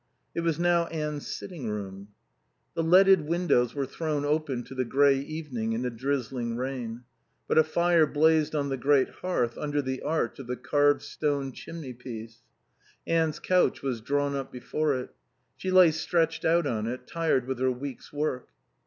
It was now Anne's sitting room. The leaded windows were thrown open to the grey evening and a drizzling rain; but a fire blazed on the great hearth under the arch of the carved stone chimney piece. Anne's couch was drawn up before it. She lay stretched out on it, tired with her week's work.